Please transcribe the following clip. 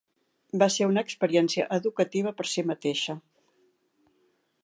Va ser una experiència educativa per si mateixa.